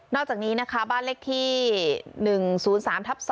อกจากนี้นะคะบ้านเลขที่๑๐๓ทับ๒